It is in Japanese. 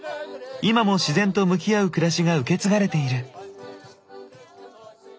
今も自然と向き合う暮らしが受け継がれている。